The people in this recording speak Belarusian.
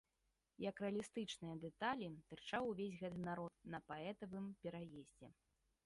Як рэалістычныя дэталі, тырчаў увесь гэты народ на паэтавым пераездзе.